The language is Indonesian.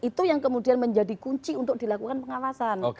itu yang kemudian menjadi kunci untuk dilakukan pengawasan